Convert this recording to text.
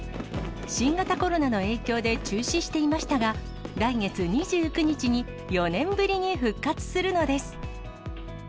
新型コロナの影響で中止していましたが、来月２９日に、４年ぶりに復活するのです。